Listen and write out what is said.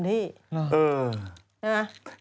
ได้มั้ย